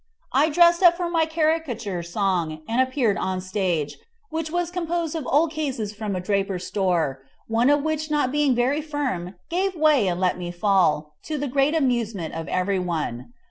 I dressed up for my caricature song, and appeared on the stage, which was composed of old cases from a draper's store, one of which not being very firm gave way and let me fall, to the great amusement of everybody.